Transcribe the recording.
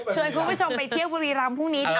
คุณผู้ชมไปเที่ยวบุรีรำพรุ่งนี้ดี